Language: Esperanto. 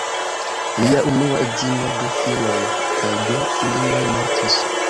Lia unua edzino, du filoj kaj du filinoj mortis.